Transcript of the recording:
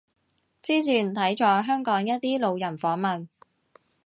之前睇咗香港一啲路人訪問